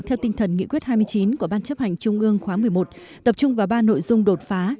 theo tinh thần nghị quyết hai mươi chín của ban chấp hành trung ương khóa một mươi một tập trung vào ba nội dung đột phá